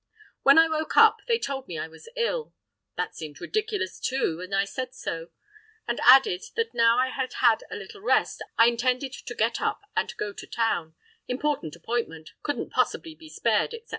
When I woke up, they told me I was ill. That seemed ridiculous, too, and I said so; and added that now I had had a little rest I intended to get up and go to town—important appointment; couldn't possibly be spared, etc.